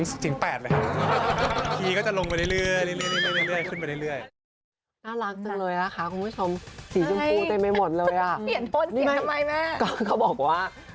เสียงสามก็หายไปแล้ว